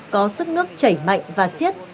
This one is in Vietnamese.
có sức nước chảy mạnh và siết